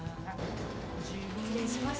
失礼します。